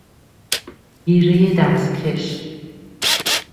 گیره دستکش